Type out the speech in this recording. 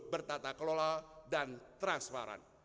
bertata kelola dan transparan